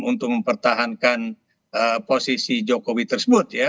untuk mempertahankan posisi jokowi tersebut ya